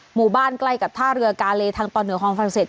หมู่บ้านใกล้กับท่าเรือกาเลทางตอนเหนือของฝรั่งเศส